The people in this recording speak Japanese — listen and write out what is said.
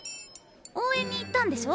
応援に行ったんでしょ？